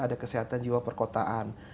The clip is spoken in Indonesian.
ada kesehatan jiwa perkotaan